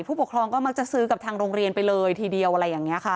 ผู้ปกครองก็มักจะซื้อกับทางโรงเรียนไปเลยทีเดียวอะไรอย่างนี้ค่ะ